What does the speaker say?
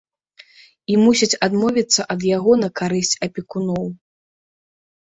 І мусяць адмовіцца ад яго на карысць апекуноў.